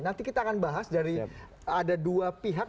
nanti kita akan bahas dari ada dua pihak